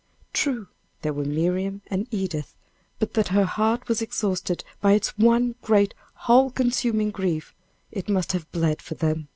True, there were Miriam and Edith! But that her heart was exhausted by its one great, all consuming grief, it must have bled for them!